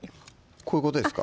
こういうことですか？